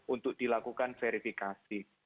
untuk dilakukan verifikasi